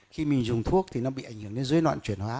khi mình dùng thuốc thì nó bị ảnh hưởng đến dối loạn chuyển hóa